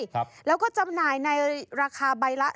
ครับแล้วก็จำหน่ายในราคาใบละ